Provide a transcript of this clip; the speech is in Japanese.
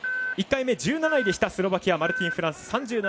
１回目１７位、スロバキアマルティン・フランス。